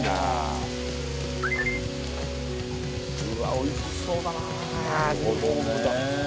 おいしそうだな！